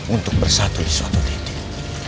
untuk bersatu di suatu titik